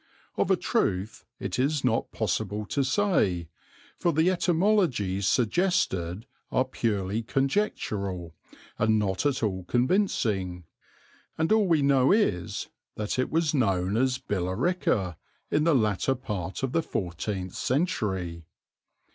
Of a truth it is not possible to say, for the etymologies suggested are purely conjectural and not at all convincing, and all we know is that it was known as Billerica in the latter part of the fourteenth century.